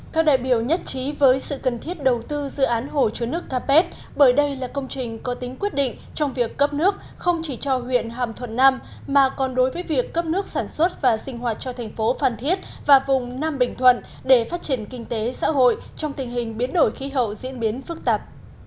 các đại biểu nhất trí với sự cần thiết đầu tư dự án hồ chứa nước capet bởi đây là công trình có tính quyết định trong việc cấp nước không chỉ cho huyện hàm thuận nam mà còn đối với việc cấp nước sản xuất và sinh hoạt cho thành phố phan thiết và vùng nam bình thuận để phát triển kinh tế xã hội trong tình hình biến đổi khí hậu diễn biến phức tạp